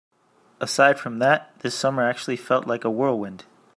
Aside from that, this summer actually felt like a whirlwind.